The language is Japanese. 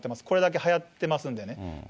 これだけはやってますんでね。